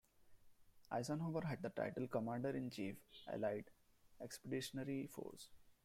Eisenhower had the title Commander-in-Chief, Allied Expeditionary Force.